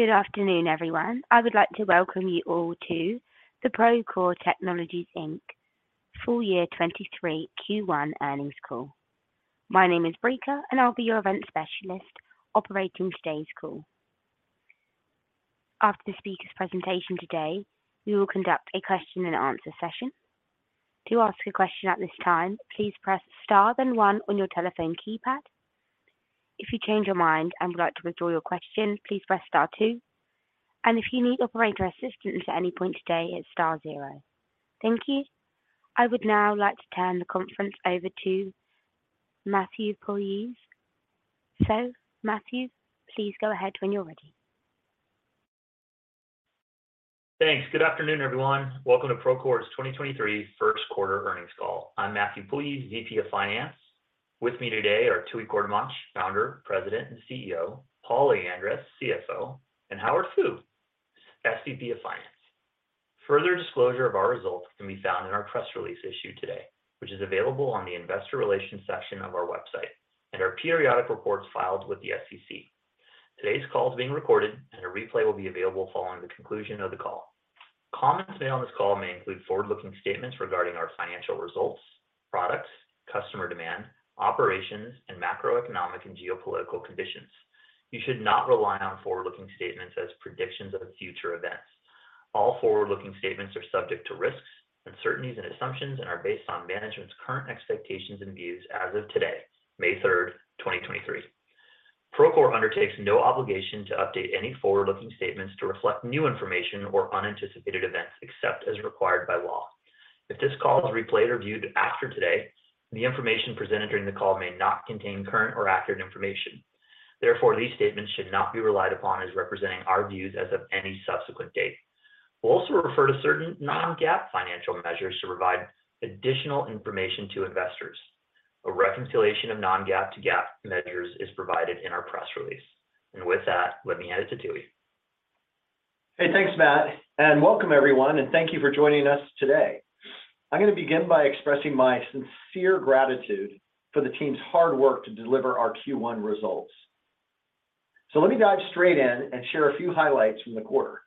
Good afternoon, everyone. I would like to welcome you all to the Procore Technologies Inc Full Year 2023 Q1 Earnings Call. My name is Breeka, and I'll be your event specialist operating today's call. After the speaker's presentation today, we will conduct a question and answer session. To ask a question at this time, please press star then one on your telephone keypad. If you change your mind and would like to withdraw your question, please press star two. If you need operator assistance at any point today, it's star 0. Thank you. I would now like to turn the conference over to Matthew Puljiz. Matthew, please go ahead when you're ready. Thanks. Good afternoon, everyone. Welcome to Procore's 2023 first quarter earnings call. I'm Matthew Puljiz, VP of Finance. With me today are Tooey Courtemanche, Founder, President, and CEO, Paul Lyandres, CFO, and Howard Fu, SVP of Finance. Further disclosure of our results can be found in our press release issued today, which is available on the investor relations section of our website, and our periodic reports filed with the SEC. Today's call is being recorded, and a replay will be available following the conclusion of the call. Comments made on this call may include forward-looking statements regarding our financial results, products, customer demand, operations, and macroeconomic and geopolitical conditions. You should not rely on forward-looking statements as predictions of future events. All forward-looking statements are subject to risks, uncertainties, and assumptions, and are based on management's current expectations and views as of today, May 3, 2023. Procore undertakes no obligation to update any forward-looking statements to reflect new information or unanticipated events except as required by law. If this call is replayed or viewed after today, the information presented during the call may not contain current or accurate information. Therefore, these statements should not be relied upon as representing our views as of any subsequent date. We'll also refer to certain non-GAAP financial measures to provide additional information to investors. A reconciliation of non-GAAP to GAAP measures is provided in our press release. With that, let me hand it to Tooey. Hey, thanks, Matt, and welcome everyone, and thank you for joining us today. I'm gonna begin by expressing my sincere gratitude for the team's hard work to deliver our Q1 results. Let me dive straight in and share a few highlights from the quarter.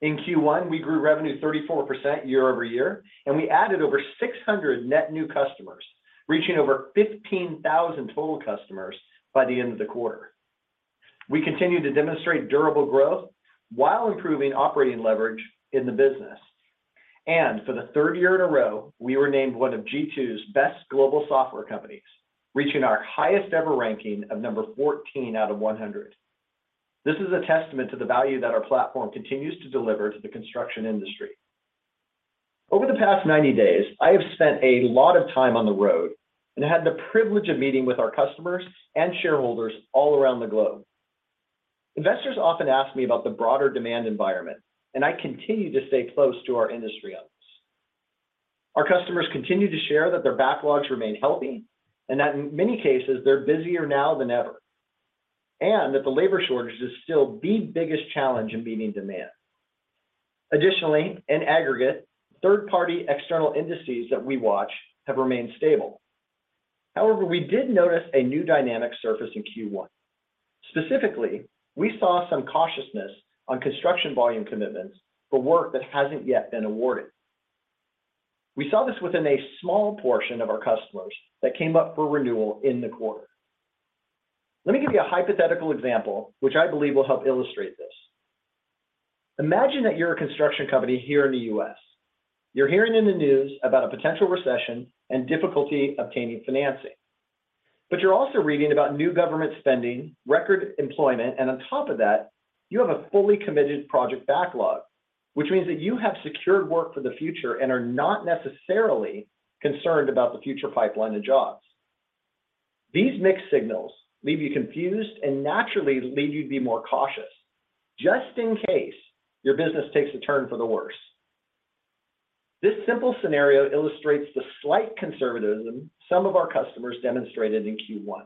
In Q1, we grew revenue 34% year-over-year, and we added over 600 net new customers, reaching over 15,000 total customers by the end of the quarter. We continued to demonstrate durable growth while improving operating leverage in the business. For the third year in a row, we were named one of G2's best global software companies, reaching our highest ever ranking of number 14 out of 100. This is a testament to the value that our platform continues to deliver to the construction industry. Over the past 90 days, I have spent a lot of time on the road and had the privilege of meeting with our customers and shareholders all around the globe. Investors often ask me about the broader demand environment, and I continue to stay close to our industry outlets. Our customers continue to share that their backlogs remain healthy and that in many cases, they're busier now than ever, and that the labor shortage is still the biggest challenge in meeting demand. In aggregate, third-party external indices that we watch have remained stable. We did notice a new dynamic surface in Q1. We saw some cautiousness on construction volume commitments for work that hasn't yet been awarded. We saw this within a small portion of our customers that came up for renewal in the quarter. Let me give you a hypothetical example, which I believe will help illustrate this. Imagine that you're a construction company here in the U.S. You're hearing in the news about a potential recession and difficulty obtaining financing. You're also reading about new government spending, record employment, and on top of that, you have a fully committed project backlog, which means that you have secured work for the future and are not necessarily concerned about the future pipeline of jobs. These mixed signals leave you confused and naturally lead you to be more cautious, just in case your business takes a turn for the worse. This simple scenario illustrates the slight conservatism some of our customers demonstrated in Q1.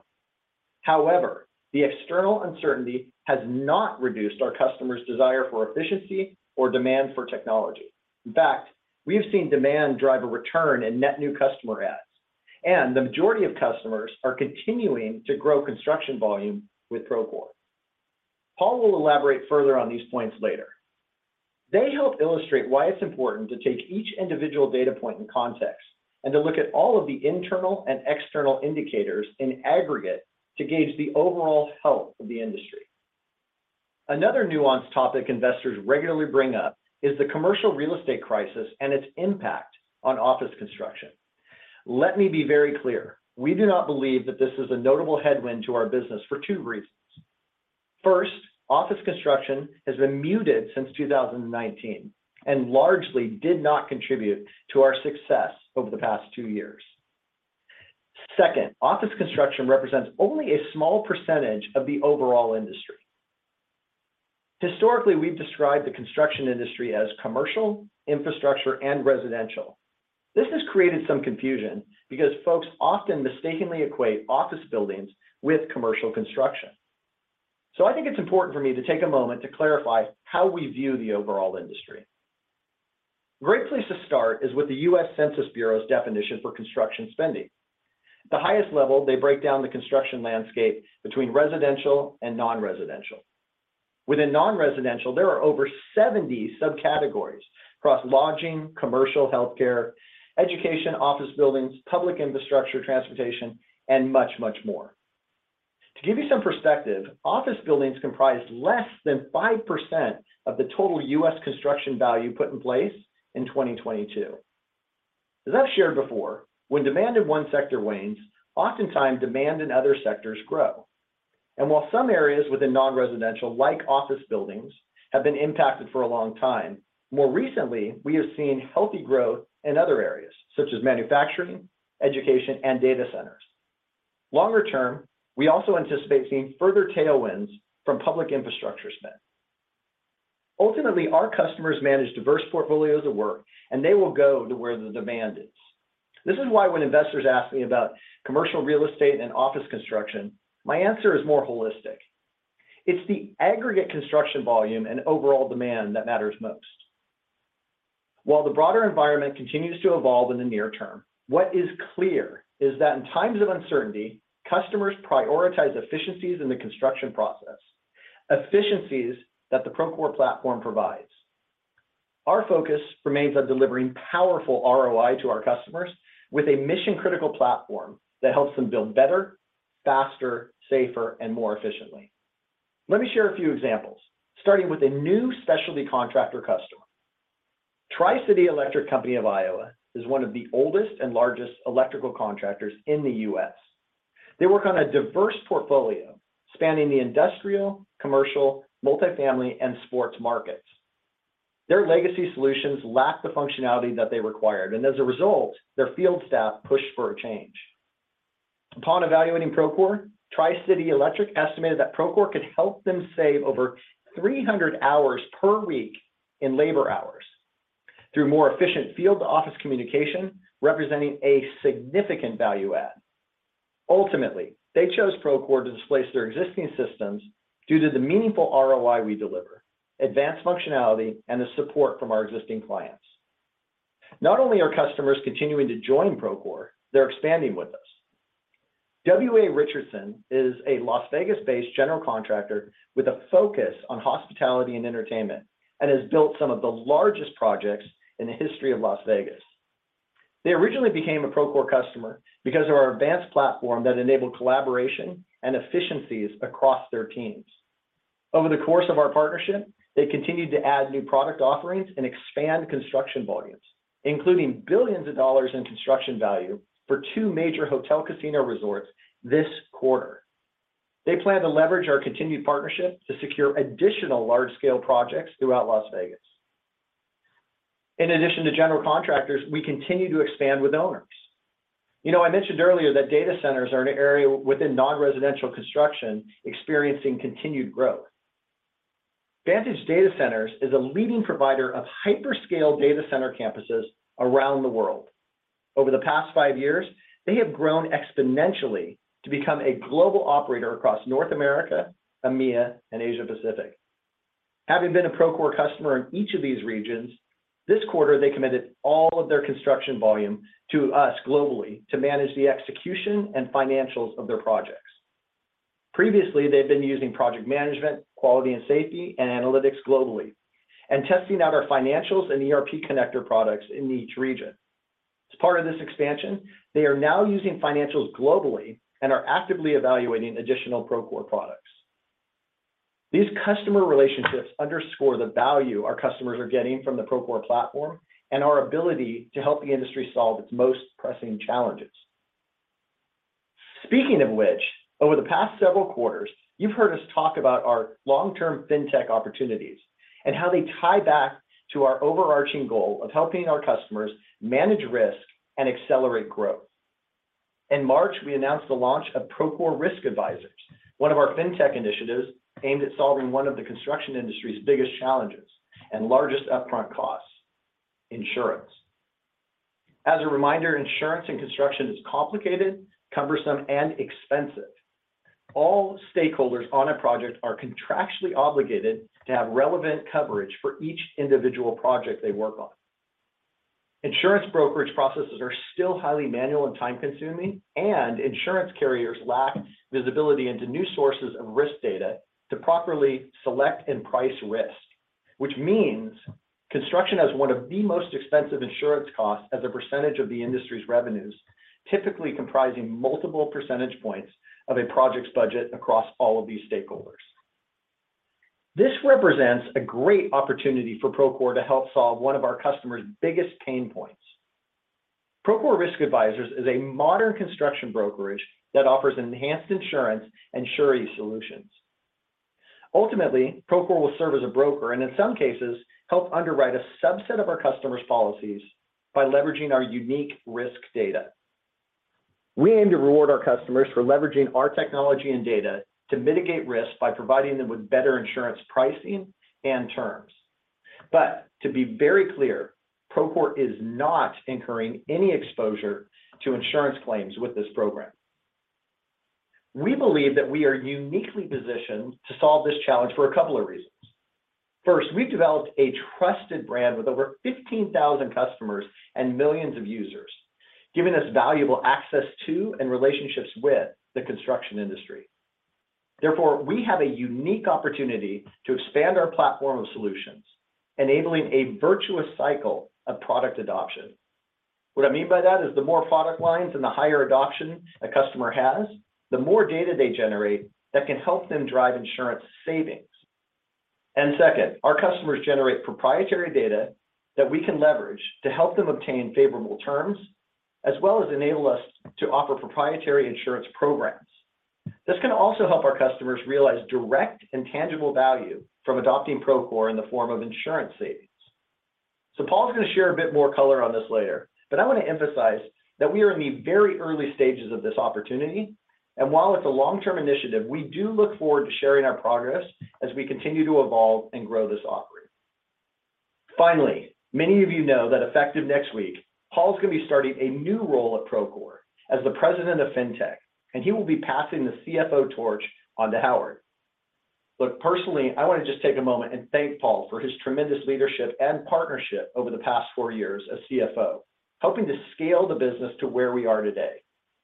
However, the external uncertainty has not reduced our customers' desire for efficiency or demand for technology. In fact, we have seen demand drive a return in net new customer adds, and the majority of customers are continuing to grow construction volume with Procore. Paul will elaborate further on these points later. They help illustrate why it's important to take each individual data point in context and to look at all of the internal and external indicators in aggregate to gauge the overall health of the industry. Another nuanced topic investors regularly bring up is the commercial real estate crisis and its impact on office construction. Let me be very clear. We do not believe that this is a notable headwind to our business for two reasons. First, office construction has been muted since 2019 and largely did not contribute to our success over the past two years. Second, office construction represents only a small percentage of the overall industry. Historically, we've described the construction industry as commercial, infrastructure, and residential. This has created some confusion because folks often mistakenly equate office buildings with commercial construction. I think it's important for me to take a moment to clarify how we view the overall industry. A great place to start is with the U.S. Census Bureau's definition for construction spending. At the highest level, they break down the construction landscape between residential and non-residential. Within non-residential, there are over 70 subcategories across lodging, commercial, healthcare, education, office buildings, public infrastructure, transportation, and much, much more. To give you some perspective, office buildings comprise less than 5% of the total U.S. construction value put in place in 2022. As I've shared before, when demand in one sector wanes, oftentimes demand in other sectors grow. While some areas within non-residential, like office buildings, have been impacted for a long time, more recently, we have seen healthy growth in other areas, such as manufacturing, education, and data centers. Longer term, we also anticipate seeing further tailwinds from public infrastructure spend. Ultimately, our customers manage diverse portfolios of work, and they will go to where the demand is. This is why when investors ask me about commercial real estate and office construction, my answer is more holistic. It's the aggregate construction volume and overall demand that matters most. While the broader environment continues to evolve in the near term, what is clear is that in times of uncertainty, customers prioritize efficiencies in the construction process, efficiencies that the Procore platform provides. Our focus remains on delivering powerful ROI to our customers with a mission-critical platform that helps them build better, faster, safer, and more efficiently. Let me share a few examples, starting with a new specialty contractor customer. Tri-City Electric Company of Iowa is one of the oldest and largest electrical contractors in the U.S. They work on a diverse portfolio spanning the industrial, commercial, multifamily, and sports markets. Their legacy solutions lacked the functionality that they required. As a result, their field staff pushed for a change. Upon evaluating Procore, Tri-City Electric estimated that Procore could help them save over 300 hours per week in labor hours through more efficient field-to-office communication, representing a significant value add. Ultimately, they chose Procore to displace their existing systems due to the meaningful ROI we deliver, advanced functionality, and the support from our existing clients. Not only are customers continuing to join Procore, they're expanding with us. W.A. Richardson is a Las Vegas-based general contractor with a focus on hospitality and entertainment and has built some of the largest projects in the history of Las Vegas. They originally became a Procore customer because of our advanced platform that enabled collaboration and efficiencies across their teams. Over the course of our partnership, they continued to add new product offerings and expand construction volumes, including billions of dollars in construction value for two major hotel casino resorts this quarter. They plan to leverage our continued partnership to secure additional large-scale projects throughout Las Vegas. In addition to general contractors, we continue to expand with owners. You know, I mentioned earlier that data centers are an area within non-residential construction experiencing continued growth. Vantage Data Centers is a leading provider of hyperscale data center campuses around the world. Over the past five years, they have grown exponentially to become a global operator across North America, EMEA, and Asia-Pacific. Having been a Procore customer in each of these regions, this quarter, they committed all of their construction volume to us globally to manage the execution and financials of their projects. Previously, they've been using project management, quality and safety, and analytics globally and testing out our financials and ERP connector products in each region. As part of this expansion, they are now using financials globally and are actively evaluating additional Procore products. These customer relationships underscore the value our customers are getting from the Procore platform and our ability to help the industry solve its most pressing challenges. Speaking of which, over the past several quarters, you've heard us talk about our long-term fintech opportunities and how they tie back to our overarching goal of helping our customers manage risk and accelerate growth. In March, we announced the launch of Procore Risk Advisors, one of our fintech initiatives aimed at solving one of the construction industry's biggest challenges and largest upfront costs, insurance. As a reminder, insurance in construction is complicated, cumbersome, and expensive. All stakeholders on a project are contractually obligated to have relevant coverage for each individual project they work on. Insurance brokerage processes are still highly manual and time-consuming, and insurance carriers lack visibility into new sources of risk data to properly select and price risk, which means construction has one of the most expensive insurance costs as a percentage of the industry's revenues, typically comprising multiple percentage points of a project's budget across all of these stakeholders. This represents a great opportunity for Procore to help solve one of our customers' biggest pain points. Procore Risk Advisors is a modern construction brokerage that offers enhanced insurance and surety solutions. Ultimately, Procore will serve as a broker and in some cases help underwrite a subset of our customers' policies by leveraging our unique risk data. We aim to reward our customers for leveraging our technology and data to mitigate risk by providing them with better insurance pricing and terms. To be very clear, Procore is not incurring any exposure to insurance claims with this program. We believe that we are uniquely positioned to solve this challenge for a couple of reasons. First, we've developed a trusted brand with over 15,000 customers and millions of users, giving us valuable access to and relationships with the construction industry. Therefore, we have a unique opportunity to expand our platform of solutions, enabling a virtuous cycle of product adoption. What I mean by that is the more product lines and the higher adoption a customer has, the more data they generate that can help them drive insurance savings. Second, our customers generate proprietary data that we can leverage to help them obtain favorable terms, as well as enable us to offer proprietary insurance programs. This can also help our customers realize direct and tangible value from adopting Procore in the form of insurance savings. Paul is going to share a bit more color on this later, but I want to emphasize that we are in the very early stages of this opportunity, and while it's a long-term initiative, we do look forward to sharing our progress as we continue to evolve and grow this offering. Many of you know that effective next week, Paul is going to be starting a new role at Procore as the President of Fintech, and he will be passing the CFO torch on to Howard. Personally, I want to just take a moment and thank Paul for his tremendous leadership and partnership over the past four years as CFO, helping to scale the business to where we are today.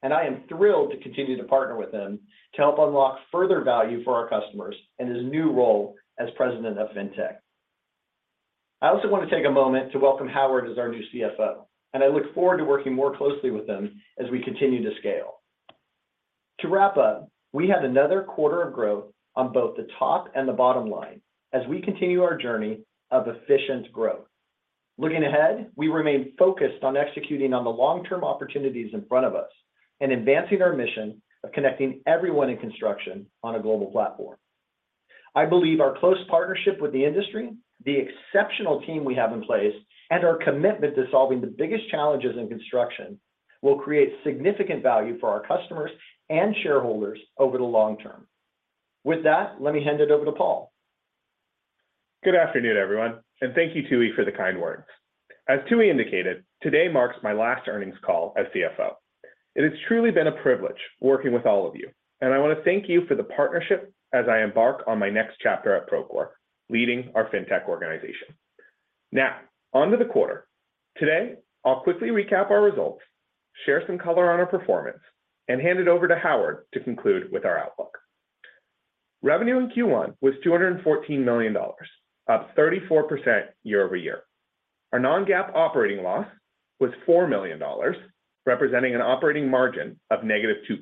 I am thrilled to continue to partner with him to help unlock further value for our customers in his new role as President of Fintech. I also want to take a moment to welcome Howard as our new CFO, and I look forward to working more closely with him as we continue to scale. To wrap up, we had another quarter of growth on both the top and the bottom line as we continue our journey of efficient growth. Looking ahead, we remain focused on executing on the long-term opportunities in front of us and advancing our mission of connecting everyone in construction on a global platform. I believe our close partnership with the industry, the exceptional team we have in place, and our commitment to solving the biggest challenges in construction will create significant value for our customers and shareholders over the long term. With that, let me hand it over to Paul. Good afternoon, everyone, thank you, Tooey, for the kind words. As Tooey indicated, today marks my last earnings call as CFO. It has truly been a privilege working with all of you, and I want to thank you for the partnership as I embark on my next chapter at Procore, leading our fintech organization. On to the quarter. Today, I'll quickly recap our results, share some color on our performance, and hand it over to Howard to conclude with our outlook. Revenue in Q1 was $214 million, up 34% year-over-year. Our non-GAAP operating loss was $4 million, representing an operating margin of negative 2%.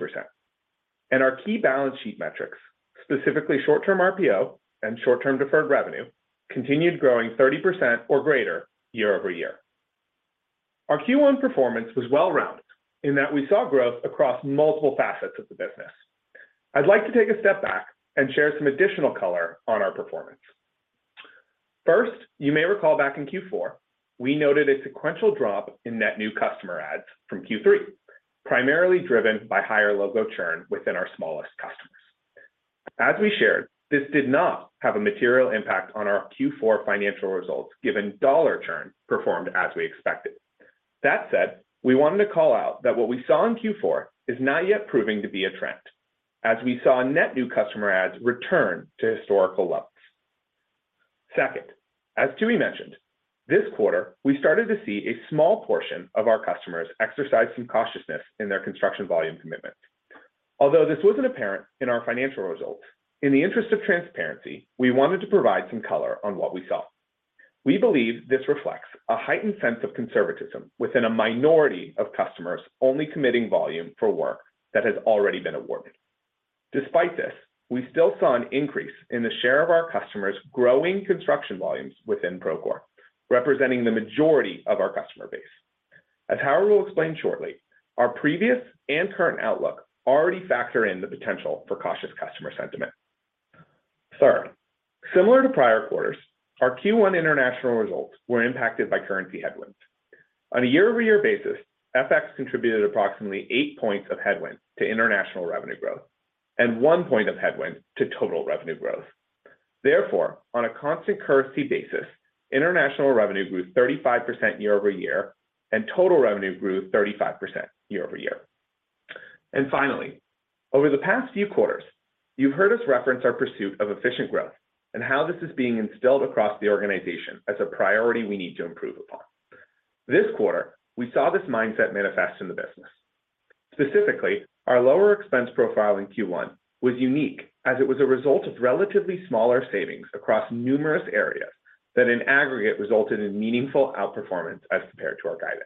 Our key balance sheet metrics, specifically short-term RPO and short-term deferred revenue, continued growing 30% or greater year-over-year. Our Q1 performance was well-rounded in that we saw growth across multiple facets of the business. I'd like to take a step back and share some additional color on our performance. First, you may recall back in Q4, we noted a sequential drop in net new customer adds from Q3, primarily driven by higher logo churn within our smallest customers. As we shared, this did not have a material impact on our Q4 financial results, given dollar churn performed as we expected. That said, we wanted to call out that what we saw in Q4 is not yet proving to be a trend, as we saw net new customer adds return to historical lows. Second, as Tooey mentioned, this quarter, we started to see a small portion of our customers exercise some cautiousness in their construction volume commitment. Although this wasn't apparent in our financial results, in the interest of transparency, we wanted to provide some color on what we saw. We believe this reflects a heightened sense of conservatism within a minority of customers only committing volume for work that has already been awarded. Despite this, we still saw an increase in the share of our customers growing construction volumes within Procore, representing the majority of our customer base. As Howard will explain shortly, our previous and current outlook already factor in the potential for cautious customer sentiment. Third, similar to prior quarters, our Q1 international results were impacted by currency headwinds. On a year-over-year basis, FX contributed approximately eight points of headwind to international revenue growth and one point of headwind to total revenue growth. Therefore, on a constant currency basis, international revenue grew 35% year-over-year, and total revenue grew 35% year-over-year. Finally, over the past few quarters, you've heard us reference our pursuit of efficient growth and how this is being instilled across the organization as a priority we need to improve upon. This quarter, we saw this mindset manifest in the business. Specifically, our lower expense profile in Q1 was unique as it was a result of relatively smaller savings across numerous areas that in aggregate resulted in meaningful outperformance as compared to our guidance.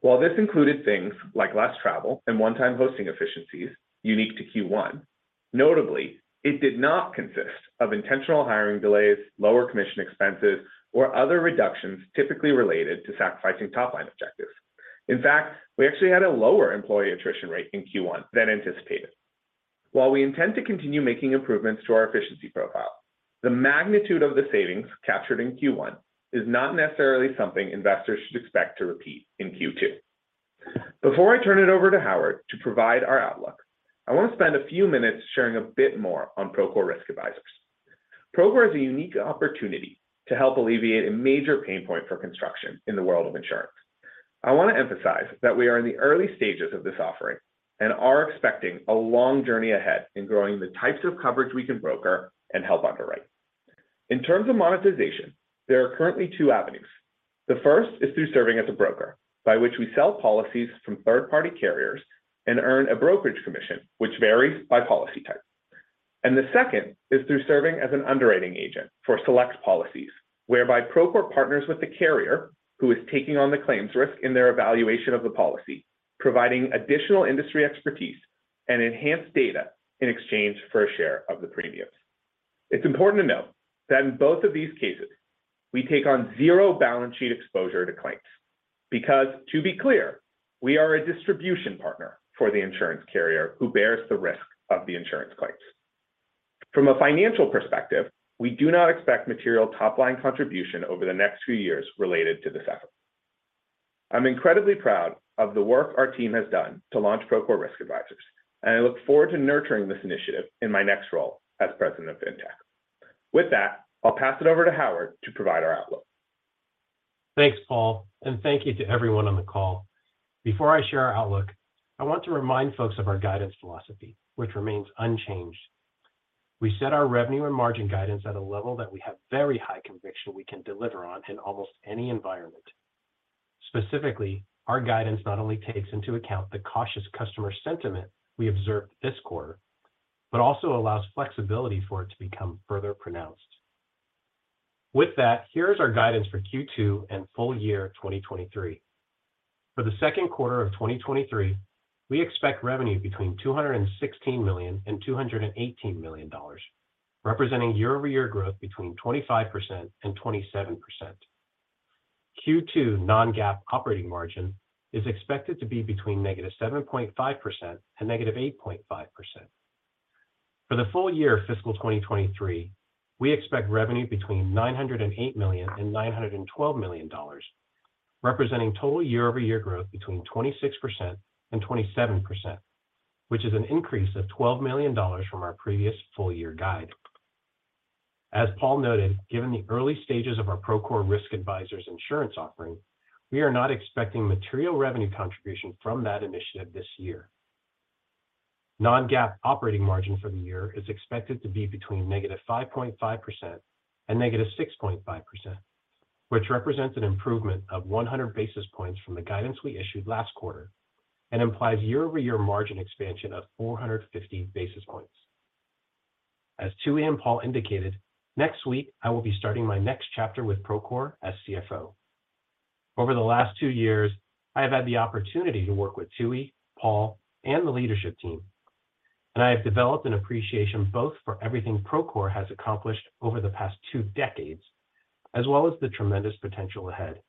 While this included things like less travel and one-time hosting efficiencies unique to Q1, notably, it did not consist of intentional hiring delays, lower commission expenses, or other reductions typically related to sacrificing top-line objectives. In fact, we actually had a lower employee attrition rate in Q1 than anticipated. While we intend to continue making improvements to our efficiency profile, the magnitude of the savings captured in Q1 is not necessarily something investors should expect to repeat in Q2. Before I turn it over to Howard to provide our outlook, I want to spend a few minutes sharing a bit more on Procore Risk Advisors. Procore is a unique opportunity to help alleviate a major pain point for construction in the world of insurance. I wanna emphasize that we are in the early stages of this offering and are expecting a long journey ahead in growing the types of coverage we can broker and help underwrite. In terms of monetization, there are currently two avenues. The first is through serving as a broker by which we sell policies from third-party carriers and earn a brokerage commission, which varies by policy type. The second is through serving as an underwriting agent for select policies, whereby Procore partners with the carrier, who is taking on the claims risk in their evaluation of the policy, providing additional industry expertise and enhanced data in exchange for a share of the premiums. It's important to note that in both of these cases, we take on zero balance sheet exposure to claims because, to be clear, we are a distribution partner for the insurance carrier who bears the risk of the insurance claims. From a financial perspective, we do not expect material top-line contribution over the next few years related to this effort. I'm incredibly proud of the work our team has done to launch Procore Risk Advisors, and I look forward to nurturing this initiative in my next role as president of Fintech. With that, I'll pass it over to Howard to provide our outlook. Thanks, Paul, and thank you to everyone on the call. Before I share our outlook, I want to remind folks of our guidance philosophy, which remains unchanged. We set our revenue and margin guidance at a level that we have very high conviction we can deliver on in almost any environment. Specifically, our guidance not only takes into account the cautious customer sentiment we observed this quarter, but also allows flexibility for it to become further pronounced. With that, here is our guidance for Q2 and full year 2023. For the second quarter of 2023, we expect revenue between $216 million and $218 million, representing year-over-year growth between 25% and 27%. Q2 non-GAAP operating margin is expected to be between -7.5% and -8.5%. For the full year fiscal 2023, we expect revenue between $908 million and $912 million, representing total year-over-year growth between 26% and 27%, which is an increase of $12 million from our previous full year guide. As Paul noted, given the early stages of our Procore Risk Advisors insurance offering, we are not expecting material revenue contribution from that initiative this year. non-GAAP operating margin for the year is expected to be between negative 5.5% and negative 6.5%, which represents an improvement of 100 basis points from the guidance we issued last quarter and implies year-over-year margin expansion of 450 basis points. As Tooey and Paul indicated, next week I will be starting my next chapter with Procore as CFO. Over the last two years, I have had the opportunity to work with Tooey, Paul, and the leadership team, and I have developed an appreciation both for everything Procore has accomplished over the past two decades, as well as the tremendous potential ahead.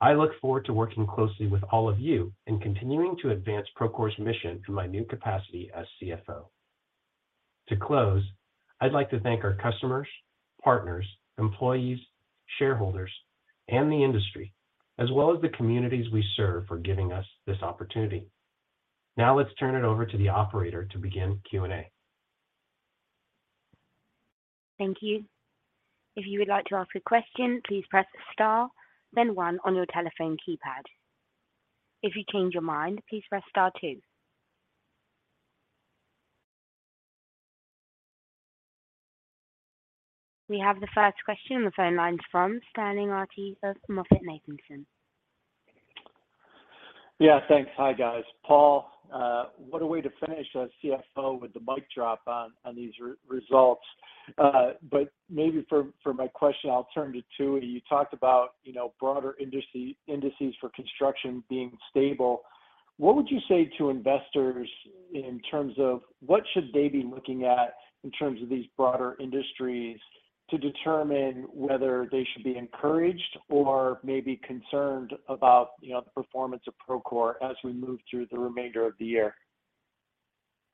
I look forward to working closely with all of you in continuing to advance Procore's mission in my new capacity as CFO. To close, I'd like to thank our customers, partners, employees, shareholders, and the industry, as well as the communities we serve, for giving us this opportunity. Let's turn it over to the operator to begin Q&A. Thank you. If you would like to ask a question, please press star, then one on your telephone keypad. If you change your mind, please press star two. We have the first question on the phone lines from Sterling Auty of SVB MoffettNathanson. Yeah, thanks. Hi, guys. Paul, what a way to finish a CFO with the mic drop on results. Maybe for my question, I'll turn to Tooey. You talked about, you know, broader indices for construction being stable. What would you say to investors in terms of what should they be looking at in terms of these broader industries to determine whether they should be encouraged or maybe concerned about, you know, the performance of Procore as we move through the remainder of the year?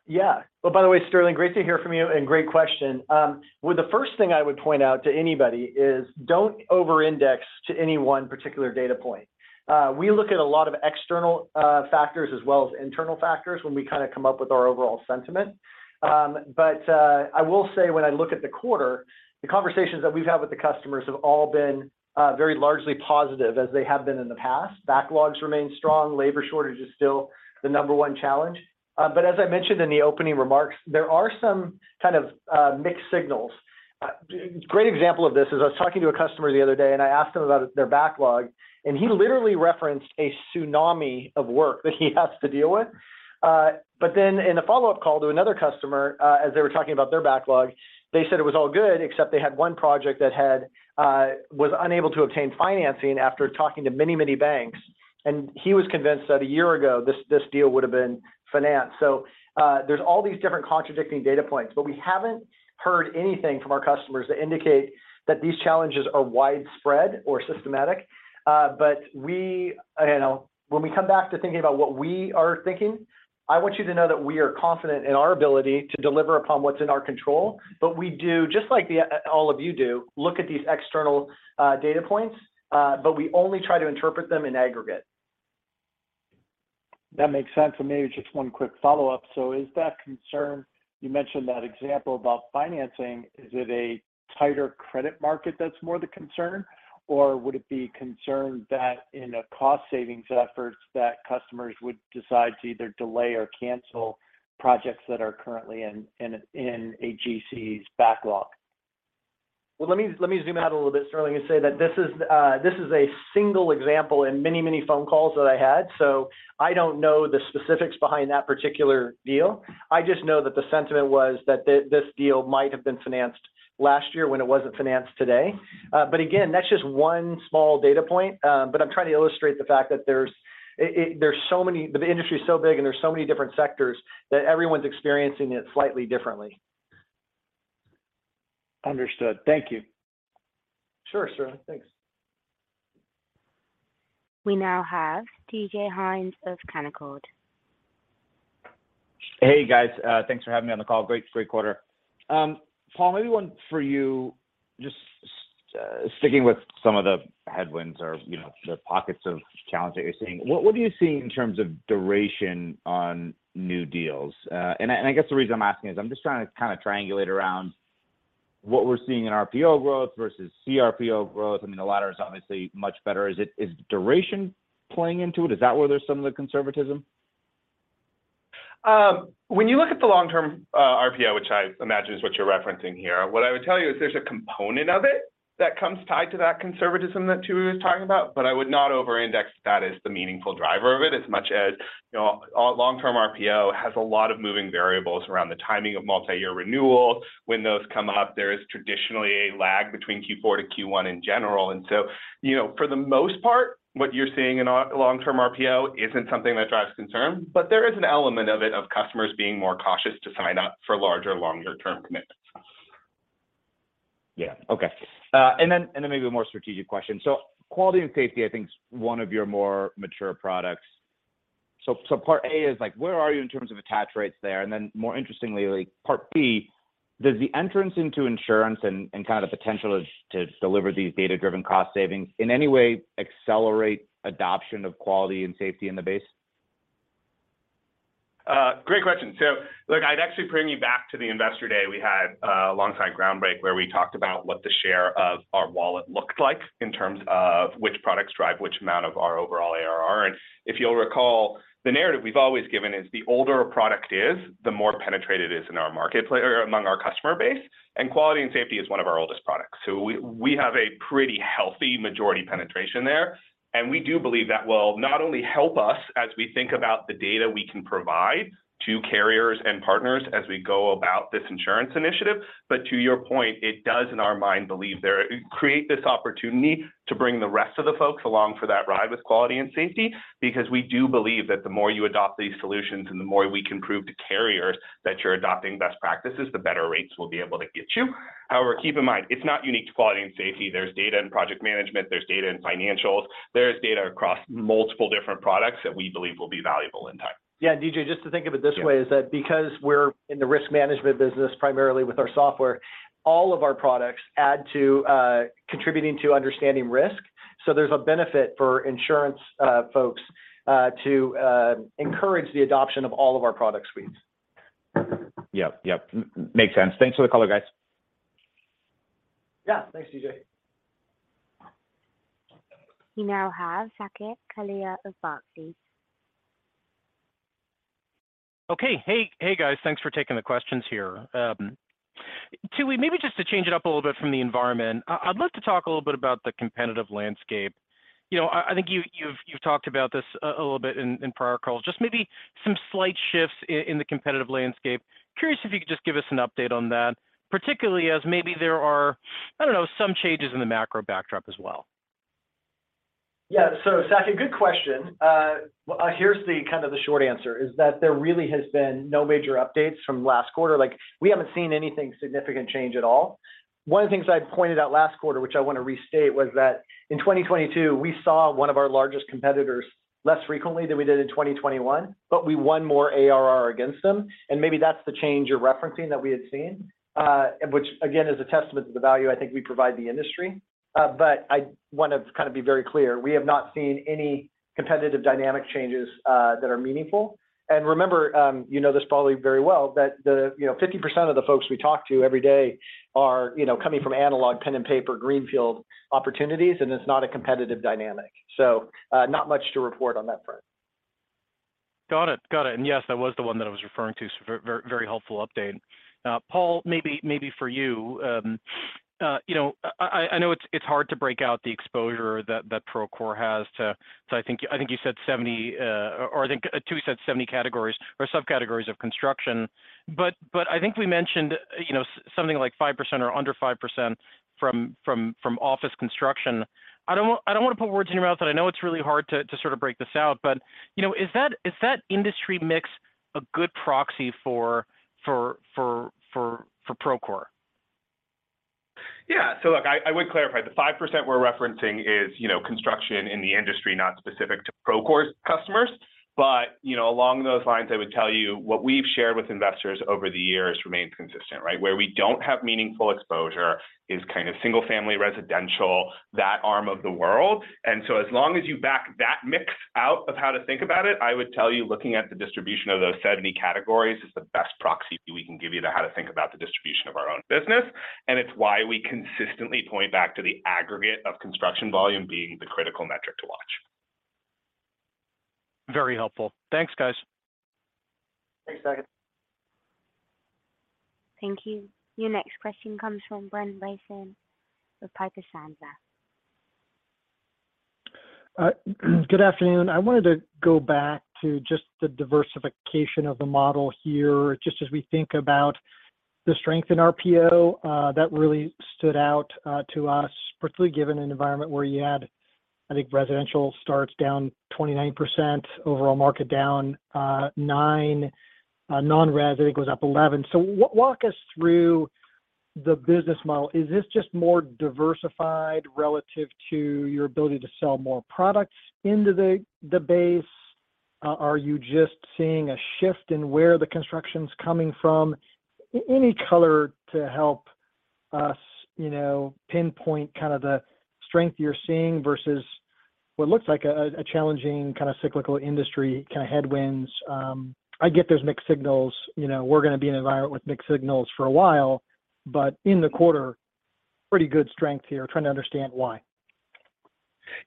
Yeah. Well, by the way, Sterling, great to hear from you, and great question. Well, the first thing I would point out to anybody is don't over-index to any one particular data point. We look at a lot of external factors as well as internal factors when we kind of come up with our overall sentiment. I will say when I look at the quarter, the conversations that we've had with the customers have all been very largely positive as they have been in the past. Backlogs remain strong. Labor shortage is still the number one challenge. As I mentioned in the opening remarks, there are some kind of mixed signals. Great example of this is I was talking to a customer the other day, and I asked him about their backlog, and he literally referenced a tsunami of work that he has to deal with. In a follow-up call to another customer, as they were talking about their backlog, they said it was all good except they had one project that had, was unable to obtain financing after talking to many, many banks. And he was convinced that a year ago, this deal would've been financed. There's all these different contradicting data points, but we haven't heard anything from our customers that indicate that these challenges are widespread or systematic. We, you know, when we come back to thinking about what we are thinking, I want you to know that we are confident in our ability to deliver upon what's in our control, but we do, just like the, all of you do, look at these external, data points, but we only try to interpret them in aggregate. That makes sense. Maybe just one quick follow-up. You mentioned that example about financing. Is it a tighter credit market that's more the concern, or would it be concern that in a cost savings efforts that customers would decide to either delay or cancel projects that are currently in a GC's backlog? Let me zoom out a little bit, Sterling, say that this is a single example in many, many phone calls that I had. I don't know the specifics behind that particular deal. I just know that the sentiment was that this deal might have been financed last year when it wasn't financed today. Again, that's just one small data point. I'm trying to illustrate the fact that there's so many, the industry is so big and there's so many different sectors that everyone's experiencing it slightly differently. Understood. Thank you. Sure, sir. Thanks. We now have DJ Hynes of Canaccord. Hey, guys. Thanks for having me on the call. Great, great quarter. Paul, maybe one for you. Just sticking with some of the headwinds or, you know, the pockets of challenge that you're seeing, what are you seeing in terms of duration on new deals? I guess the reason I'm asking is I'm just trying to kind of triangulate around what we're seeing in RPO growth versus CRPO growth. I mean, the latter is obviously much better. Is duration playing into it? Is that where there's some of the conservatism? When you look at the long-term RPO, which I imagine is what you're referencing here, what I would tell you is there's a component of it that comes tied to that conservatism that Tooey was talking about, but I would not over-index that as the meaningful driver of it, as much as, you know, long-term RPO has a lot of moving variables around the timing of multi-year renewals. When those come up, there is traditionally a lag between Q4 to Q1 in general. You know, for the most part, what you're seeing in a long-term RPO isn't something that drives concern, but there is an element of it, of customers being more cautious to sign up for larger, longer term commitments. Yeah. Okay. Maybe a more strategic question. Quality and safety, I think, is one of your more mature products. Part A is like, where are you in terms of attach rates there? More interestingly, like part B, does the entrance into insurance and kind of potential to deliver these data-driven cost savings in any way accelerate adoption of quality and safety in the base? Great question. I'd actually bring you back to the investor day we had alongside Groundbreak, where we talked about what the share of our wallet looked like in terms of which products drive which amount of our overall ARR. If you'll recall, the narrative we've always given is the older a product is, the more penetrated it is or among our customer base, and quality and safety is one of our oldest products. We have a pretty healthy majority penetration there, and we do believe that will not only help us as we think about the data we can provide to carriers and partners as we go about this insurance initiative. To your point, it does, in our mind, create this opportunity to bring the rest of the folks along for that ride with quality and safety. We do believe that the more you adopt these solutions and the more we can prove to carriers that you're adopting best practices, the better rates we'll be able to get you. However, keep in mind, it's not unique to quality and safety. There's data in project management, there's data in financials, there is data across multiple different products that we believe will be valuable in time. Yeah. DJ, just to think of it this way- Yeah. is that because we're in the risk management business, primarily with our software, all of our products add to, contributing to understanding risk. There's a benefit for insurance, folks, to encourage the adoption of all of our product suites. Yep. Yep. Makes sense. Thanks for the color, guys. Yeah. Thanks, DJ. We now have Saket Kalia of Barclays. Okay. Hey. Hey, guys. Thanks for taking the questions here. Tooey, maybe just to change it up a little bit from the environment, I'd love to talk a little bit about the competitive landscape. You know, I think you've talked about this a little bit in prior calls, just maybe some slight shifts in the competitive landscape. Curious if you could just give us an update on that, particularly as maybe there are, I don't know, some changes in the macro backdrop as well. Yeah. Saket, good question. Here's the kind of the short answer, is that there really has been no major updates from last quarter. Like, we haven't seen anything significant change at all. One of the things I pointed out last quarter, which I want to restate, was that in 2022, we saw one of our largest competitors less frequently than we did in 2021, but we won more ARR against them, and maybe that's the change you're referencing that we had seen. Which again, is a testament to the value I think we provide the industry. I want to kind of be very clear, we have not seen any competitive dynamic changes, that are meaningful. Remember, you know this probably very well, that the, you know, 50% of the folks we talk to every day are, you know, coming from analog pen and paper greenfield opportunities, and it's not a competitive dynamic. Not much to report on that front. Got it. Got it. Yes, that was the one that I was referring to, so very helpful update. Paul, maybe for you know, I know it's hard to break out the exposure that Procore has to, I think you said 70 or I think Tooey said 70 categories or subcategories of construction. I think we mentioned, you know, something like 5% or under 5% from office construction. I don't wanna put words in your mouth, and I know it's really hard to sort of break this out, but, you know, is that, is that industry mix a good proxy for Procore? Look, I would clarify the 5% we're referencing is, you know, construction in the industry, not specific to Procore's customers. You know, along those lines, I would tell you what we've shared with investors over the years remains consistent, right? Where we don't have meaningful exposure is kind of single family residential, that arm of the world. As long as you back that mix out of how to think about it, I would tell you, looking at the distribution of those 70 categories is the best proxy we can give you to how to think about the distribution of our own business. It's why we consistently point back to the aggregate of construction volume being the critical metric to watch. Very helpful. Thanks, guys. Thanks, Zach. Thank you. Your next question comes from Brent Bracelin with Piper Sandler. Good afternoon. I wanted to go back to just the diversification of the model here, just as we think about the strength in RPO, that really stood out to us, particularly given an environment where you had, I think, residential starts down 29%, overall market down 9%, non-res, I think, was up 11%. Walk us through the business model. Is this just more diversified relative to your ability to sell more products into the base? Are you just seeing a shift in where the construction's coming from? Any color to help us, you know, pinpoint kind of the strength you're seeing versus what looks like a challenging kind of cyclical industry, kind of headwinds. I get there's mixed signals. You know, we're gonna be in an environment with mixed signals for a while. In the quarter, pretty good strength here. Trying to understand why?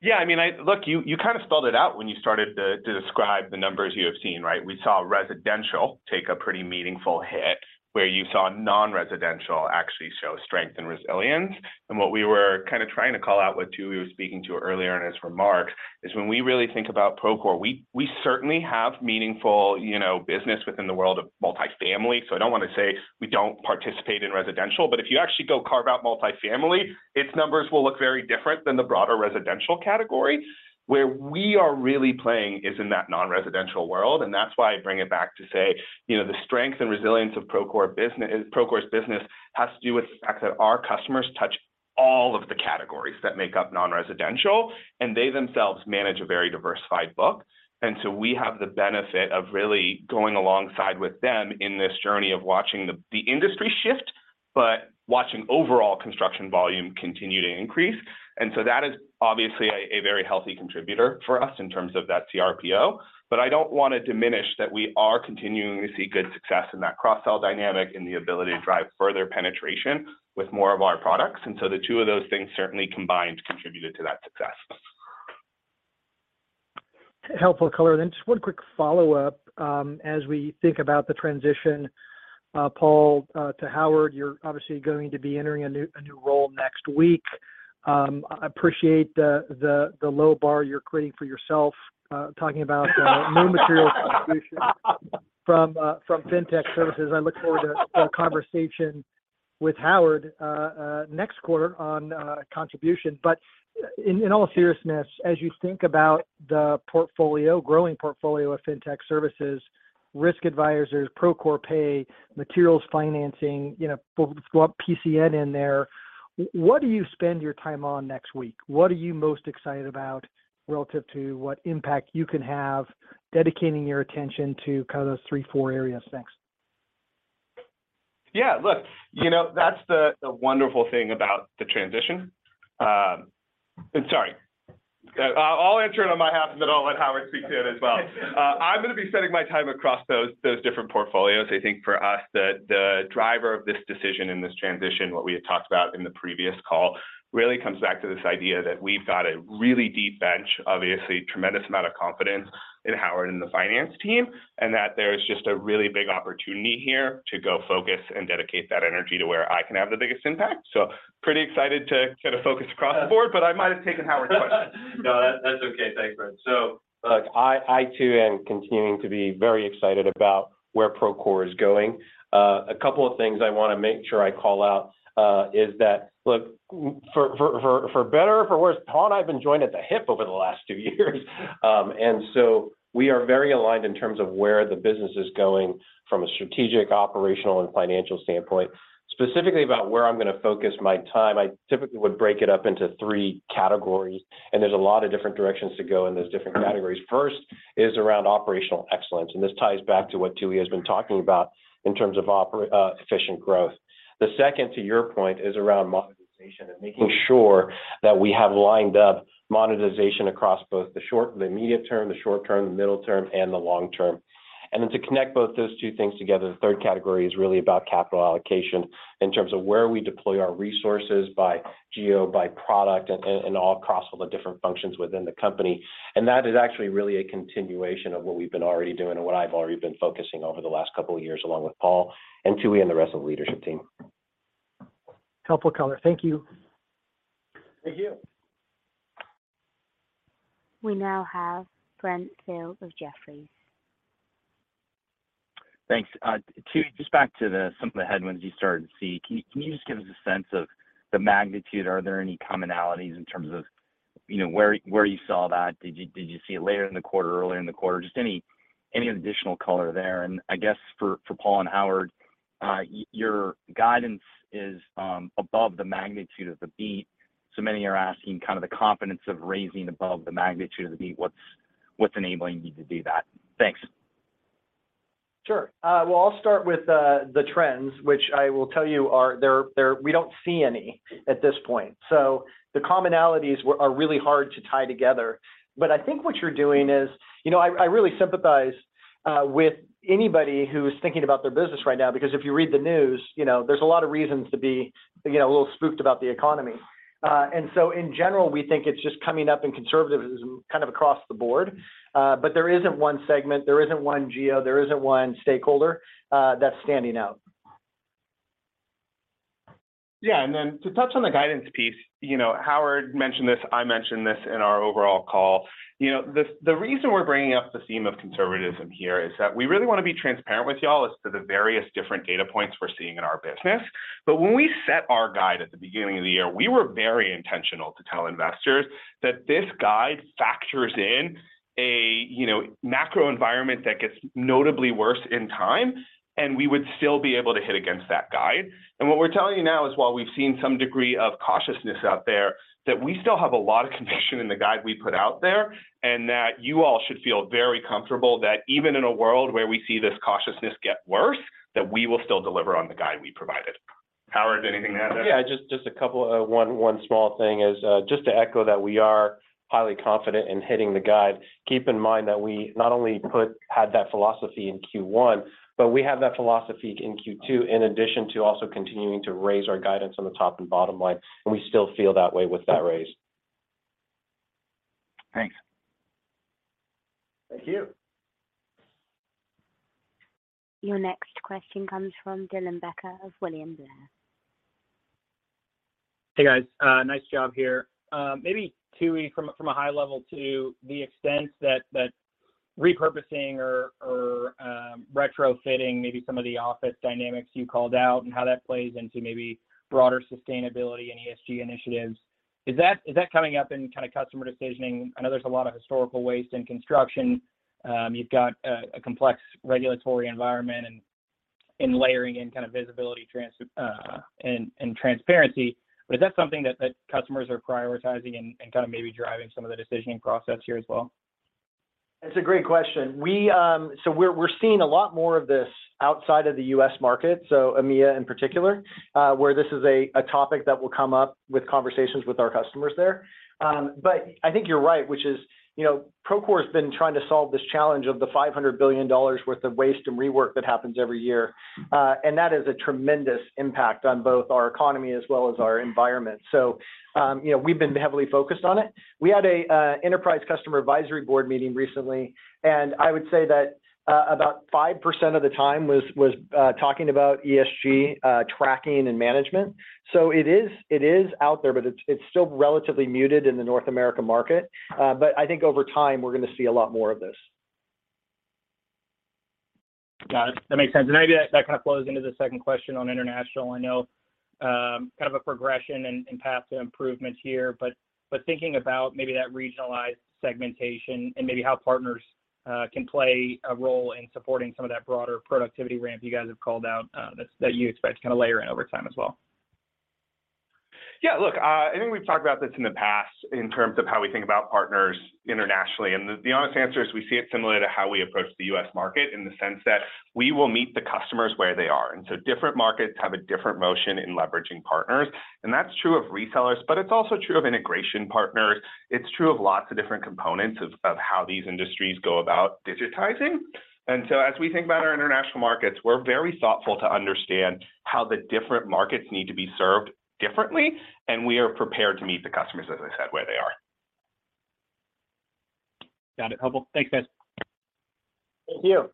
Yeah, I mean, look, you kind of spelled it out when you started to describe the numbers you have seen, right? We saw residential take a pretty meaningful hit where you saw non-residential actually show strength and resilience. What we were kind of trying to call out, what Tooey was speaking to earlier in his remarks, is when we really think about Procore, we certainly have meaningful, you know, business within the world of multifamily. I don't want to say we don't participate in residential, but if you actually go carve out multifamily, its numbers will look very different than the broader residential category. Where we are really playing is in that non-residential world, and that's why I bring it back to say, you know, the strength and resilience of Procore's business has to do with the fact that our customers touch all of the categories that make up non-residential, and they themselves manage a very diversified book. We have the benefit of really going alongside with them in this journey of watching the industry shift, but watching overall construction volume continue to increase. That is obviously a very healthy contributor for us in terms of that CRPO. I don't want to diminish that we are continuing to see good success in that cross-sell dynamic and the ability to drive further penetration with more of our products. The two of those things certainly combined contributed to that success. Helpful color. Just one quick follow-up, as we think about the transition, Paul to Howard, you're obviously going to be entering a new role next week. Appreciate the low bar you're creating for yourself, talking about new material contribution from Fintech Services. I look forward to a conversation with Howard next quarter on contribution. In all seriousness, as you think about the portfolio, growing portfolio of Fintech Services, Procore Risk Advisors, Procore Pay, materials financing, you know, we'll throw up PCN in there, what do you spend your time on next week? What are you most excited about relative to what impact you can have dedicating your attention to kind of those three, four areas? Thanks. Yeah, look, you know, that's the wonderful thing about the transition. Sorry. I'll answer it on my behalf, and then I'll let Howard speak to it as well. I'm gonna be setting my time across those different portfolios. I think for us, the driver of this decision and this transition, what we had talked about in the previous call, really comes back to this idea that we've got a really deep bench, obviously tremendous amount of confidence in Howard and the finance team, and that there is just a really big opportunity here to go focus and dedicate that energy to where I can have the biggest impact. Pretty excited to kind of focus across the board, but I might have taken Howard's question. No, that's okay. Thanks, Brent. Look, I too am continuing to be very excited about where Procore is going. A couple of things I wanna make sure I call out is that, look, for better or for worse, Paul and I have been joined at the hip over the last two years. We are very aligned in terms of where the business is going from a strategic, operational, and financial standpoint. Specifically about where I'm gonna focus my time, I typically would break it up into three categories, and there's a lot of different directions to go in those different categories. First is around operational excellence, and this ties back to what Tooey has been talking about in terms of efficient growth. The second, to your point, is around monetization and making sure that we have lined up monetization across both the immediate term, the short term, the middle term, and the long term. Then to connect both those two things together, the third category is really about capital allocation in terms of where we deploy our resources by geo, by product, and all across all the different functions within the company. That is actually really a continuation of what we've been already doing and what I've already been focusing over the last couple of years, along with Paul and Tooey and the rest of the leadership team. Helpful color. Thank you. Thank you. We now have Brent Thill of Jefferies. Thanks. Tooey, just back to some of the headwinds you started to see. Can you just give us a sense of the magnitude? Are there any commonalities in terms of, you know, where you saw that? Did you, did you see it later in the quarter, earlier in the quarter? Just any additional color there. I guess for Paul and Howard, your guidance is above the magnitude of the beat, so many are asking kind of the confidence of raising above the magnitude of the beat. What's enabling you to do that? Thanks. Sure. Well, I'll start with the trends, which I will tell you are, they're, we don't see any at this point. The commonalities are really hard to tie together. I think what you're doing is. You know, I really sympathize with anybody who is thinking about their business right now because if you read the news, you know, there's a lot of reasons to be, you know, a little spooked about the economy. In general, we think it's just coming up in conservatism kind of across the board. There isn't one segment, there isn't one geo, there isn't one stakeholder that's standing out. Yeah. To touch on the guidance piece, you know, Howard mentioned this, I mentioned this in our overall call. You know, the reason we're bringing up the theme of conservatism here is that we really wanna be transparent with you all as to the various different data points we're seeing in our business. When we set our guide at the beginning of the year, we were very intentional to tell investors that this guide factors in a, you know, macro environment that gets notably worse in time, and we would still be able to hit against that guide. What we're telling you now is while we've seen some degree of cautiousness out there, that we still have a lot of conviction in the guide we put out there, and that you all should feel very comfortable that even in a world where we see this cautiousness get worse, that we will still deliver on the guide we provided. Howard, anything to add there? Just a couple, one small thing is just to echo that we are highly confident in hitting the guide. Keep in mind that we not only had that philosophy in Q1, but we have that philosophy in Q2, in addition to also continuing to raise our guidance on the top and bottom line, and we still feel that way with that raise. Thanks. Thank you. Your next question comes from Dylan Becker of William Blair. Hey, guys. nice job here. maybe from a high level to the extent that repurposing or retrofitting maybe some of the office dynamics you called out and how that plays into maybe broader sustainability and ESG initiatives. Is that coming up in kind of customer decisioning? I know there's a lot of historical waste in construction. You've got a complex regulatory environment and layering in kind of visibility transparency. Is that something that customers are prioritizing and kind of maybe driving some of the decisioning process here as well? That's a great question. We're seeing a lot more of this outside of the U.S. market, EMEA in particular, where this is a topic that will come up with conversations with our customers there. I think you're right, which is, you know, Procore's been trying to solve this challenge of the $500 billion worth of waste and rework that happens every year. That is a tremendous impact on both our economy as well as our environment. You know, we've been heavily focused on it. We had a enterprise customer advisory board meeting recently, and I would say that about 5% of the time was talking about ESG tracking and management. It is out there, but it's still relatively muted in the North America market. I think over time, we're gonna see a lot more of this. Got it. That makes sense. Maybe that kind of flows into the second question on international. I know, kind of a progression and path to improvements here, but thinking about maybe that regionalized segmentation and maybe how partners can play a role in supporting some of that broader productivity ramp you guys have called out that you expect to kind of layer in over time as well. Yeah, look, I think we've talked about this in the past in terms of how we think about partners internationally, and the honest answer is we see it similar to how we approach the U.S. market in the sense that we will meet the customers where they are. Different markets have a different motion in leveraging partners, and that's true of resellers, but it's also true of integration partners. It's true of lots of different components of how these industries go about digitizing. As we think about our international markets, we're very thoughtful to understand how the different markets need to be served differently, and we are prepared to meet the customers, as I said, where they are. Got it. Helpful. Thanks, guys. Thank you.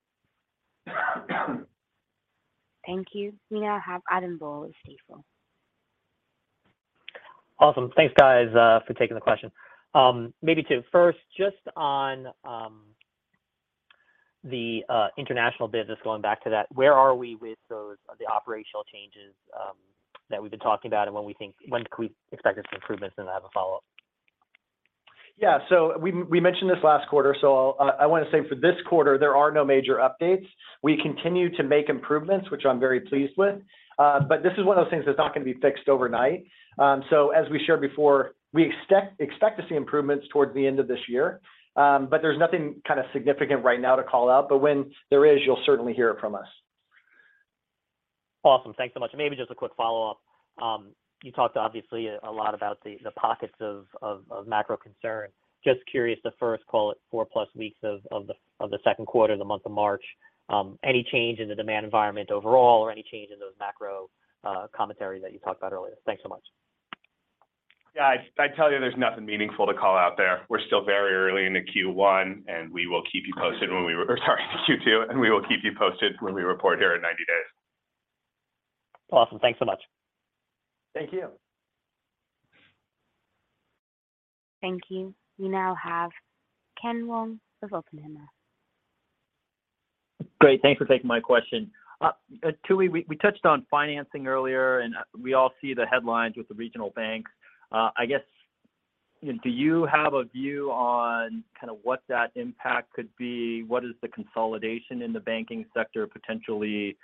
Thank you. We now have Adam Borg of Stifel. Awesome. Thanks, guys, for taking the question. Maybe two. First, just on the international business, going back to that, where are we with those the operational changes that we've been talking about? When can we expect those improvements? I have a follow-up. Yeah. We mentioned this last quarter, I wanna say for this quarter, there are no major updates. We continue to make improvements, which I'm very pleased with. But this is one of those things that's not gonna be fixed overnight. As we shared before, we expect to see improvements towards the end of this year. But there's nothing kind of significant right now to call out. When there is, you'll certainly hear it from us. Awesome. Thanks so much. Maybe just a quick follow-up. You talked obviously a lot about the pockets of macro concern. Just curious the first, call it four plus weeks of the second quarter, the month of March, any change in the demand environment overall or any change in those macro commentary that you talked about earlier? Thanks so much. Yeah, I'd tell you there's nothing meaningful to call out there. We're still very early into Q2, and we will keep you posted when we report here in 90 days. Awesome. Thanks so much. Thank you. Thank you. We now have Ken Wong of Oppenheimer. Great. Thanks for taking my question. Tooey, we touched on financing earlier, and we all see the headlines with the regional banks. I guess, you know, do you have a view on kinda what that impact could be? What is the consolidation in the banking sector potentially, you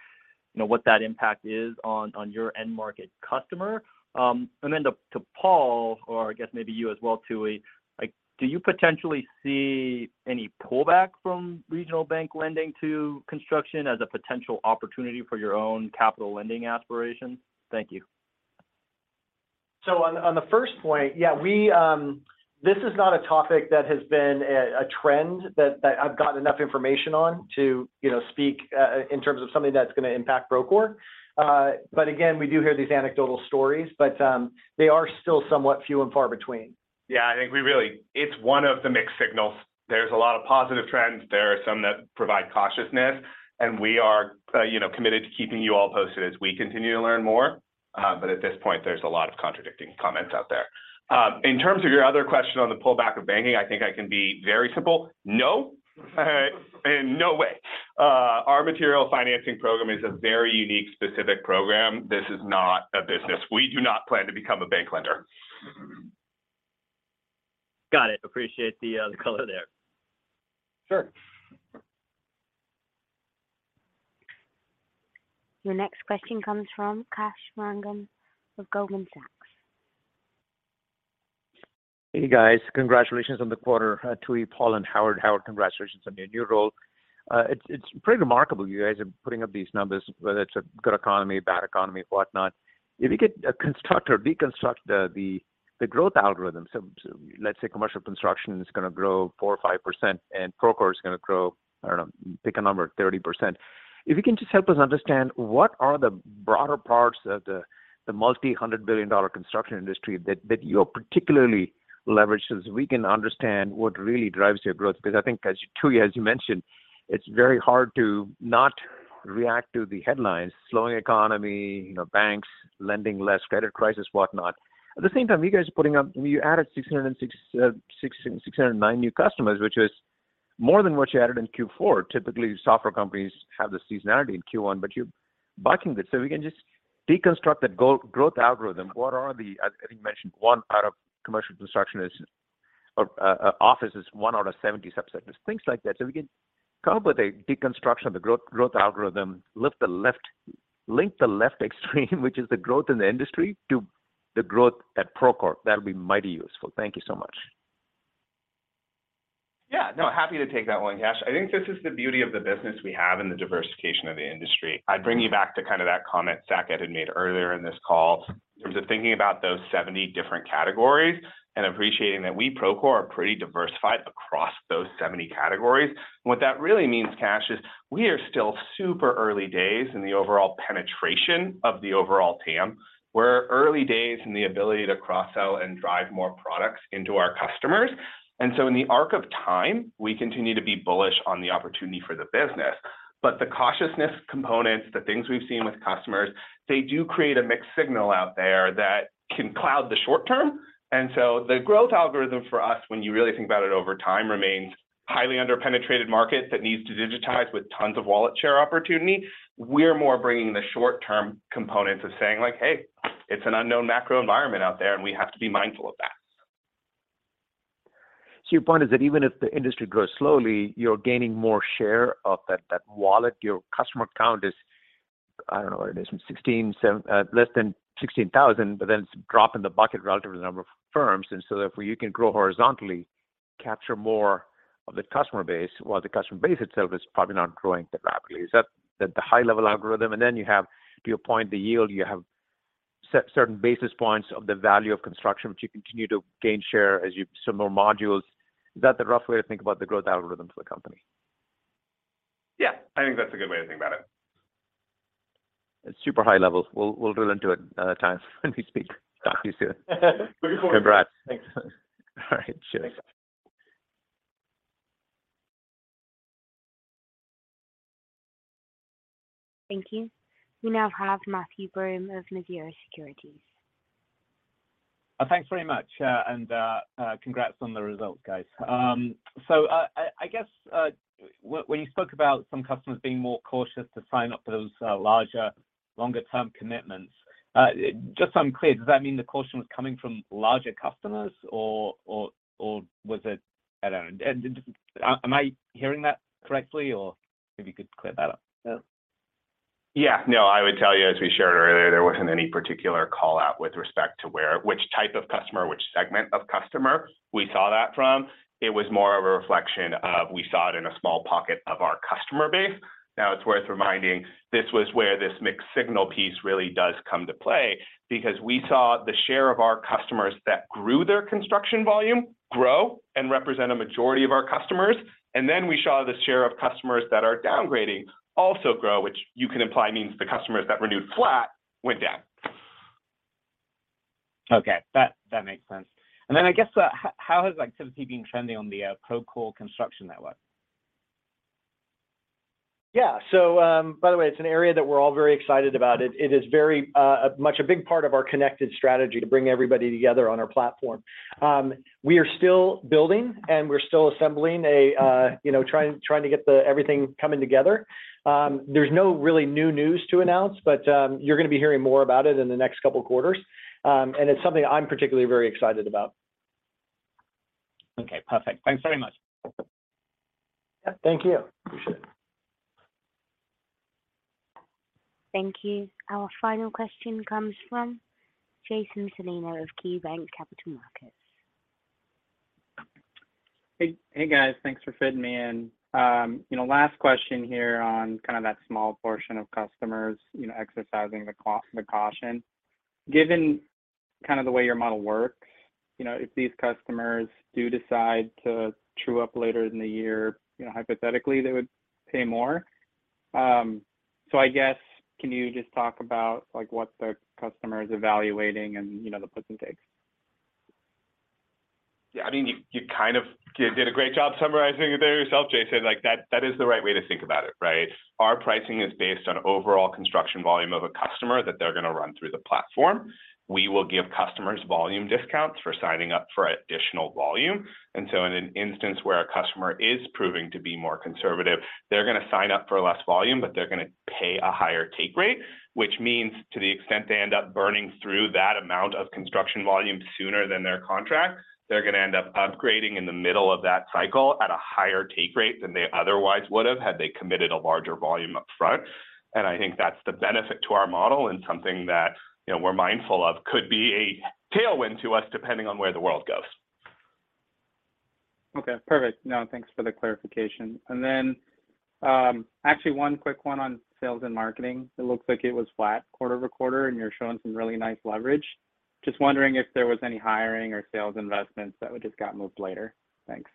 know, what that impact is on your end market customer? To Paul, or I guess maybe you as well, Tooey, like, do you potentially see any pullback from regional bank lending to construction as a potential opportunity for your own capital lending aspirations? Thank you. On the first point, yeah, we, this is not a topic that has been a trend that I've got enough information on to, you know, speak in terms of something that's gonna impact Procore. Again, we do hear these anecdotal stories, but, they are still somewhat few and far between. Yeah. It's one of the mixed signals. There's a lot of positive trends. There are some that provide cautiousness. We are, you know, committed to keeping you all posted as we continue to learn more. At this point, there's a lot of contradicting comments out there. In terms of your other question on the pullback of banking, I think I can be very simple. No. No way. Our material financing program is a very unique specific program. This is not a business. We do not plan to become a bank lender. Got it. Appreciate the color there. Sure. Your next question comes from Kash Rangan of Goldman Sachs. Hey, guys. Congratulations on the quarter, Tooey, Paul, and Howard. Howard, congratulations on your new role. It's pretty remarkable you guys are putting up these numbers, whether it's a good economy, bad economy, whatnot. If you could construct or deconstruct the growth algorithm. Let's say commercial construction is gonna grow 4% or 5%, and Procore is gonna grow, I don't know, pick a number, 30%. If you can just help us understand what are the broader parts of the multi-hundred billion dollar construction industry that you particularly leverage, so we can understand what really drives your growth. I think as you, Tooey, as you mentioned, it's very hard to not react to the headlines, slowing economy, you know, banks lending less, credit crisis, whatnot. At the same time, you guys are putting up... You added 609 new customers, which is more than what you added in Q4. Typically, software companies have the seasonality in Q1, but you're bucking that. If you can just deconstruct that growth algorithm, what are the, I think you mentioned 1 out of commercial construction is, or office is one out of 70 subsectors, things like that. If you can come up with a deconstruction of the growth algorithm, link the left extreme which is the growth in the industry, to the growth at Procore. That'll be mighty useful. Thank you so much. Yeah. No, happy to take that one, Kash. I think this is the beauty of the business we have and the diversification of the industry. I'd bring you back to kind of that comment Zach had made earlier in this call in terms of thinking about those 70 different categories and appreciating that we, Procore, are pretty diversified across those 70 categories. What that really means, Kash, is we are still super early days in the overall penetration of the overall TAM. We're early days in the ability to cross-sell and drive more products into our customers. In the arc of time, we continue to be bullish on the opportunity for the business. The cautiousness components, the things we've seen with customers, they do create a mixed signal out there that can cloud the short term. The growth algorithm for us, when you really think about it over time, remains highly under-penetrated market that needs to digitize with tons of wallet share opportunity. We're more bringing the short term components of saying like, "Hey, it's an unknown macro environment out there, and we have to be mindful of that. Your point is that even if the industry grows slowly, you're gaining more share of that wallet. Your customer count is, I don't know what it is, sixteen, seven, less than 16,000, it's a drop in the bucket relative to the number of firms. Therefore, you can grow horizontally, capture more of the customer base while the customer base itself is probably not growing that rapidly. Is that the high level algorithm? You have, to your point, the yield, you have certain basis points of the value of construction, which you continue to gain share as you sell more modules. Is that the rough way to think about the growth algorithm for the company? Yeah. I think that's a good way to think about it. It's super high level. We'll drill into it another time when we speak. Talk to you soon. Looking forward to it. Congrats. Thanks. All right. Cheers. Thanks. Thank you. We now have Matthew Broome of Mizuho Securities. Thanks very much, and congrats on the results, guys. I guess, when you spoke about some customers being more cautious to sign up for those larger, longer term commitments, just so I'm clear, does that mean the caution was coming from larger customers or was it... I don't know. Am I hearing that correctly, or maybe you could clear that up? Yeah. No. I would tell you, as we shared earlier, there wasn't any particular call-out with respect to where, which type of customer, which segment of customer we saw that from. It was more of a reflection of we saw it in a small pocket of our customer base. Now, it's worth reminding this was where this mixed signal piece really does come to play because we saw the share of our customers that grew their construction volume grow and represent a majority of our customers. We saw the share of customers that are downgrading also grow, which you can imply means the customers that renewed flat went down. Okay. That makes sense. Then I guess, how has activity been trending on the Procore Construction Network? Yeah. By the way, it's an area that we're all very excited about. It is very much a big part of our connected strategy to bring everybody together on our platform. We are still building, and we're still assembling a, you know, trying to get everything coming together. There's no really new news to announce, you're gonna be hearing more about it in the next couple quarters. It's something I'm particularly very excited about. Okay, perfect. Thanks very much. Yeah. Thank you. Appreciate it. Thank you. Our final question comes from Jason Celino of KeyBanc Capital Markets. Hey, hey, guys. Thanks for fitting me in. You know, last question here on kind of that small portion of customers, you know, exercising the caution. Given kind of the way your model works, you know, if these customers do decide to true up later in the year, you know, hypothetically, they would pay more. I guess, can you just talk about like what the customer is evaluating and, you know, the puts and takes? Yeah. I mean, you kind of did a great job summarizing it there yourself, Jason. Like, that is the right way to think about it, right? Our pricing is based on overall construction volume of a customer that they're gonna run through the platform. We will give customers volume discounts for signing up for additional volume. In an instance where a customer is proving to be more conservative, they're gonna sign up for less volume, but they're gonna pay a higher take rate, which means to the extent they end up burning through that amount of construction volume sooner than their contract, they're gonna end up upgrading in the middle of that cycle at a higher take rate than they otherwise would've, had they committed a larger volume up front. I think that's the benefit to our model and something that, you know, we're mindful of could be a tailwind to us, depending on where the world goes. Okay, perfect. No, thanks for the clarification. Actually, one quick one on sales and marketing. It looks like it was flat quarter-over-quarter, and you're showing some really nice leverage. Just wondering if there was any hiring or sales investments that just got moved later? Thanks.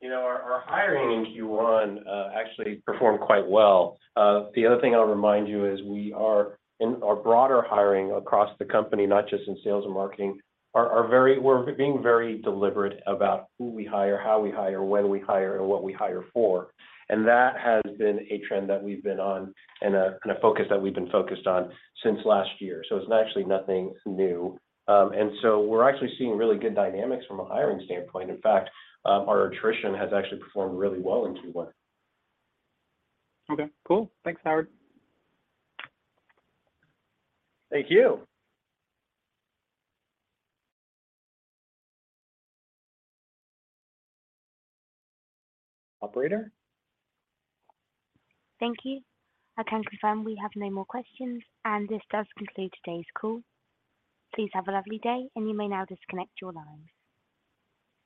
You know, our hiring in Q1 actually performed quite well. The other thing I'll remind you is we are in our broader hiring across the company, not just in sales and marketing, we're being very deliberate about who we hire, how we hire, when we hire, and what we hire for. That has been a trend that we've been on and a focus that we've been focused on since last year. It's actually nothing new. We're actually seeing really good dynamics from a hiring standpoint. In fact, our attrition has actually performed really well in Q1. Okay, cool. Thanks, Howard. Thank you. Operator? Thank you. I can confirm we have no more questions, and this does conclude today's call. Please have a lovely day, and you may now disconnect your lines.